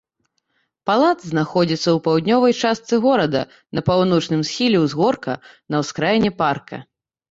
Палац знаходзіцца ў паўднёвай частцы горада на паўночным схіле ўзгорка, на ўскраіне парка.